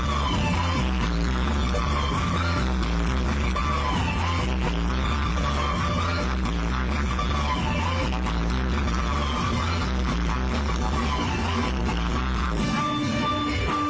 โอ้โห้ยมันนัวอย่างที่ผมบอกไปแล้ว